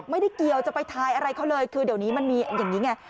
ไม่ได้เกี่ยวจะไปทายอะไรเขาเลยคือเดี๋ยวนี้มันมีอย่างนี้ไง